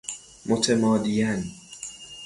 متمادیاً